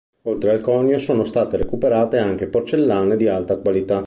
Oltre al conio, sono state recuperate anche porcellane di alta qualità.